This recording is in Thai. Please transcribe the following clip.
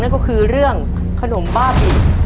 นั่นก็คือเรื่องขนมบ้าบิน